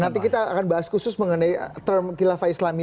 nanti kita akan bahas khusus mengenai term hilafah islam